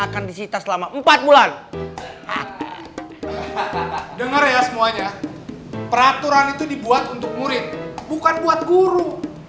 akan disita selama empat bulan dengar ya semuanya peraturan itu dibuat untuk murid bukan buat guru